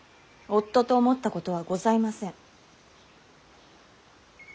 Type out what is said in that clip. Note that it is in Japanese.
夫と思ったことはございません。